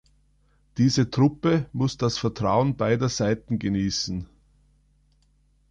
Diese Truppe muss das Vertrauen beider Seiten genießen.